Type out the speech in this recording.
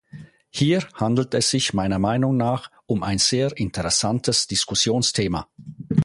Hier handelt es sich meiner Meinung nach um ein sehr interessantes Diskussionsthema.